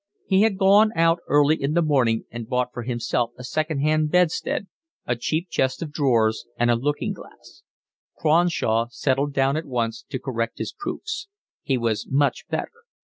He had gone out early in the morning and bought for himself a second hand bedstead, a cheap chest of drawers, and a looking glass. Cronshaw settled down at once to correct his proofs. He was much better.